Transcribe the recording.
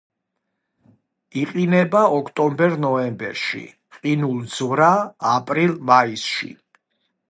იყინება ოქტომბერ-ნოემბერში, ყინულძვრაა აპრილ-მაისში.